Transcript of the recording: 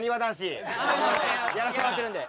やらせてもらってるので。